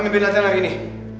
jangan lebih lagi nih